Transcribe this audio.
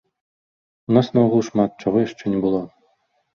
У нас наогул шмат чаго яшчэ не было.